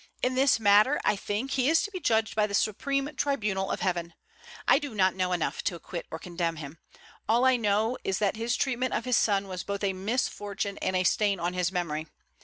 In this matter, I think, he is to be judged by the supreme tribunal of Heaven. I do not know enough to acquit or condemn him. All I know is, that his treatment of his son was both a misfortune and a stain on his memory.